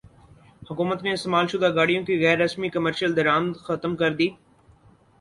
حکومت نے استعمال شدہ گاڑیوں کی غیر رسمی کمرشل درامد ختم کردی